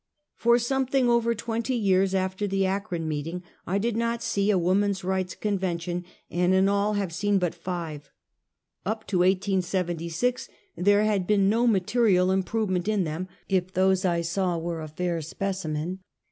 For something over twenty years after that Akron meeting, I did not see a woman's rights convention, and in all have seen but five. Up to 1876 there had been no material improvement in them, if those I saw were a fair specimen.